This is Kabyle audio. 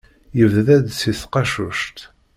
Yebda-d si tqacuct.